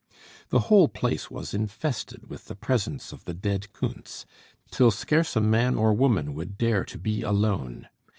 The whole place was infested with the presence of the dead Kuntz, till scarce a man or woman would dare to be alone.